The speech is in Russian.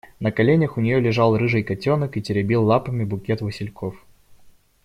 На коленях у нее лежал рыжий котенок и теребил лапами букет васильков.